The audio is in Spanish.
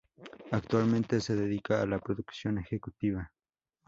Actualmente se dedica a la producción ejecutiva.